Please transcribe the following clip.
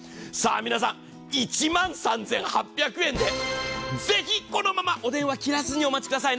皆さん、１万３８００円で、ぜひこのままお電話切らずにお待ちください。